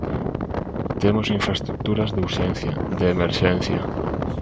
Temos infraestruturas de urxencia, de emerxencia.